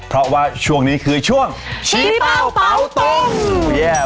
เพราะว่าช่วงนี้คือช่วงชี้เป้าเผาตรงแย่